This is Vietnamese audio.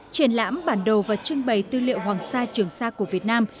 triển lãm bản đồ và trưng bày tư liệu hoàng sa trường sa của việt nam